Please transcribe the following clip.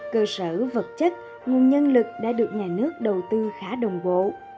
cơ sở vật chất nguồn nhân lực đã được nhà nước đầu tư khá đồng bộ